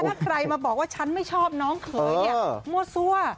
ถ้าใครมาบอกว่าฉันไม่ชอบน้องเขยเนี่ยมั่วซั่ว